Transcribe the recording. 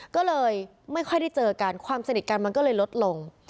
ก็เลยไม่ค่อยได้เจอกันความสนิทกันมันก็เลยลดลง